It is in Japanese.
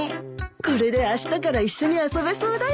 これであしたから一緒に遊べそうだよ。